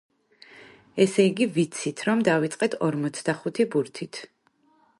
ესე იგი, ვიცით, რომ დავიწყეთ ორმოცდახუთი ბურთით.